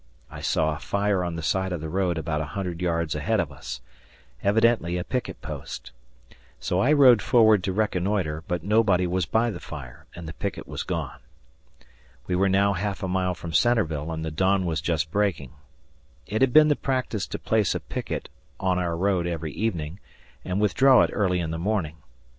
I saw a fire on the side of the road about a hundred yards ahead of us evidently a picket post. So I rode forward to reconnoitre, but nobody was by the fire, and the picket was gone. We were now half a mile from Centreville, and the dawn was just breaking. It had been the practice to place a picket on our road every evening and withdraw it early in the morning.